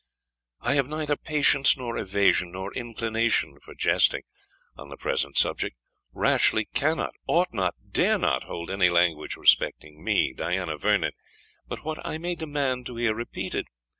"I have neither patience for evasion, nor inclination for jesting, on the present subject. Rashleigh cannot ought not dare not, hold any language respecting me, Diana Vernon, but what I may demand to hear repeated.